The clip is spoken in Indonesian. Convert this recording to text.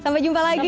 sampai jumpa lagi